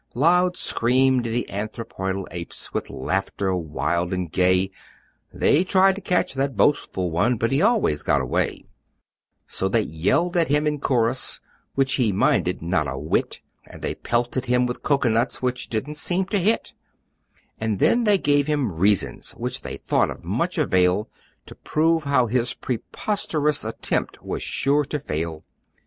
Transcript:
Loud screamed the Anthropoidal Apes, With laughter wild and gay; They tried to catch that boastful one, But he always got away; So they yelled at him in chorus, Which he minded not a whit; And they pelted him with cocoanuts, Which didn't seem to hit; And then they gave him reasons, Which they thought of much avail, To prove how his preposterous Attempt was sure to fail.